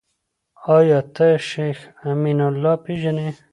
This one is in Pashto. آيا ته شيخ امين الله پېژنې ؟